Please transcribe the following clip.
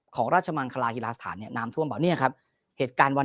ของราชมังคลาฮิลาสถานน้ำต้นต่อเนี่ยครับเหตุการวัน